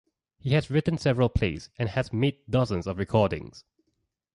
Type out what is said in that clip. He has written several plays and has made dozens of recordings.